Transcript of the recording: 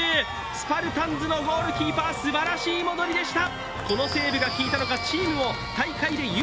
スパルタンズのゴールキーパー、すばらしい戻りでした。